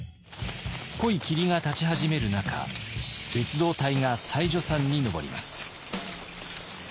濃い霧が立ち始める中別動隊が妻女山に登ります。